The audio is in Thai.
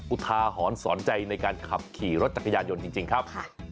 อุทาหรณ์สอนใจในการขับขี่รถจักรยานยนต์จริงครับ